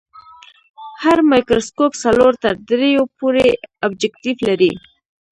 هر مایکروسکوپ څلور تر دریو پورې ابجکتیف لري.